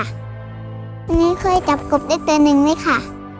หนูเคยจับกบเด็กตัวหนึ่งไหมค่ะ